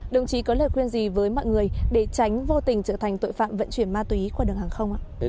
đồng chí có lời khuyên gì với mọi người để tránh vô tình trở thành tội phạm vận chuyển ma túy qua đường hàng không ạ